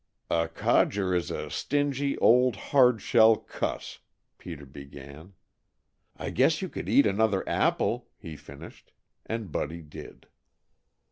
"A codger is a stingy, old, hard shell cuss " Peter began. "I guess you could eat another apple," he finished, and Buddy did.